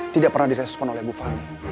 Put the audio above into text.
tidak pernah direspon oleh bu fani